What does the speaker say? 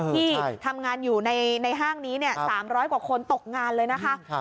ที่ทำงานอยู่ในห้างนี้๓๐๐กว่าคนตกงานเลยนะคะ